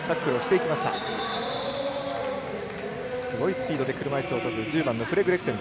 すごいスピードで車いすをこぐ１０番のフレズレクセン。